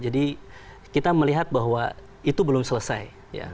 jadi kita melihat bahwa itu belum selesai